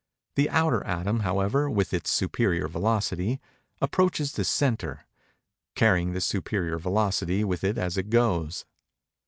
The outer atom, however, with its superior velocity, approaches the centre; carrying this superior velocity with it as it goes.